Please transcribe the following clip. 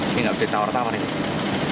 ini tidak bercerita orang orang ini